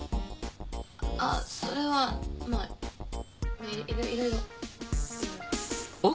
あそれはまぁいろいろ。